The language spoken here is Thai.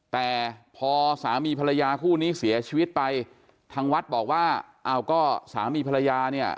แต่พอสามีภรรยาคู่นี้เสียชีวิตไปทางวัดบอกว่าอ้าวก็สามีภรรยาเนี่ย